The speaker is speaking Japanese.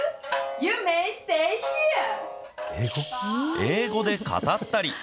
英語で語ったり。